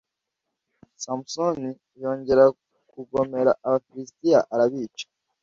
Samusoni yongera kugomera abafilisitiya arabica